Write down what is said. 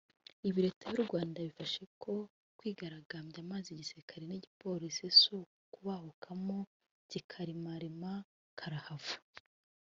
Ibi leta y’u Rwanda yabifashe nko kwigaragambya maze igisilikari n’igipolisi si ukubahukamo kirarimarima karahava